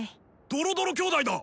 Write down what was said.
ドロドロ兄弟だ！